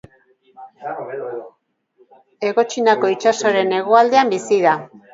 Hego Txinako itsasoaren hegoaldean bizi da.